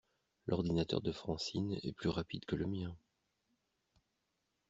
L'ordinateur de Francine est plus rapide que le mien.